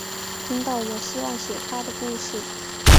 听到我希望写她的故事